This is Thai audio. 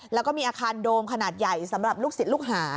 แล้วก็มีอาคารโดมขนาดใหญ่สำหรับลูกศิษย์ลูกหา